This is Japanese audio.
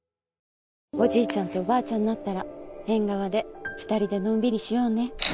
おじいちゃんとおばあちゃんになったら縁側で２人でのんびりしようね。